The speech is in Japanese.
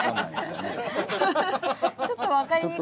ちょっと分かりにくいですね。